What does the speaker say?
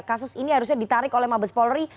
kasus ini harusnya ditarik oleh mabes polri